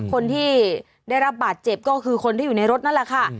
คนที่ได้รับบาดเจ็บก็คือคนที่อยู่ในรถนั่นแหละค่ะ